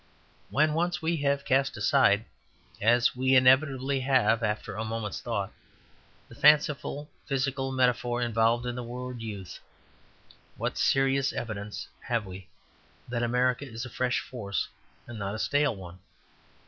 When once we have cast aside, as we inevitably have after a moment's thought, the fanciful physical metaphor involved in the word "youth," what serious evidence have we that America is a fresh force and not a stale one?